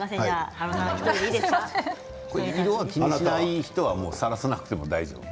色を気にしない人はさらさなくても大丈夫？